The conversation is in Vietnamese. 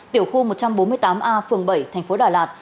tiểu khu một trăm bốn mươi tám a phường bảy tp đà lạt